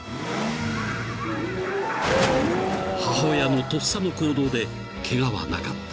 ［母親のとっさの行動でケガはなかった］